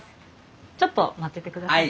ちょっと待っててくださいね。